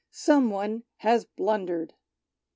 Some one has blundered !